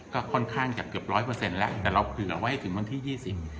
ก็ค่อนข้างจะเกือบร้อยเปอร์เซ็นต์แล้วแต่เราเผื่อไว้ให้ถึงวันที่ยี่สิบ